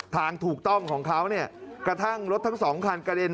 ทางถูกต้องของเขาเนี่ยกระทั่งรถทั้งสองคันกระเด็น